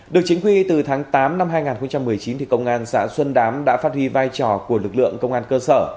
được chính quy từ tháng tám năm hai nghìn một mươi chín công an xã xuân đám đã phát huy vai trò của lực lượng công an cơ sở